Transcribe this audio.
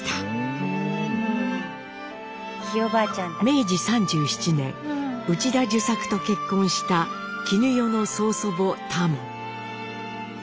明治３７年内田壽作と結婚した絹代の曽祖母タモ。